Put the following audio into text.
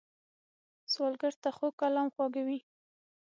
سوالګر ته خوږ کلام خواږه وي